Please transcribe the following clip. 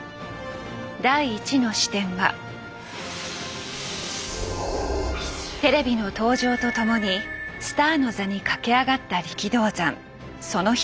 第１の視点はテレビの登場と共にスターの座に駆け上がった力道山その人。